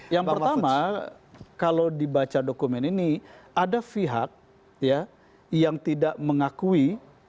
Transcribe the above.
yang pertama kalau dibaca dokumen ini ada pihak yang tidak mengakui